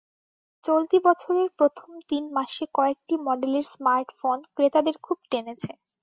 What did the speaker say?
চলতি বছরের প্রথম তিন মাসে কয়েকটি মডেলের স্মার্টফোন ক্রেতাদের খুব টেনেছে।